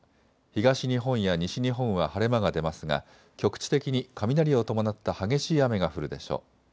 東日本や西日本は晴れ間が出ますが局地的に雷を伴った激しい雨が降るでしょう。